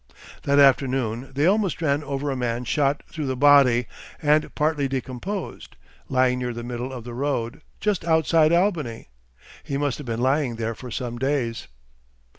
That afternoon they almost ran over a man shot through the body and partly decomposed, lying near the middle of the road, just outside Albany. He must have been lying there for some days....